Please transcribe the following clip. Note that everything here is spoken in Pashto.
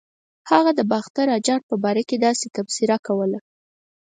هغه د باختر اجان په باره کې داسې تبصره کوله.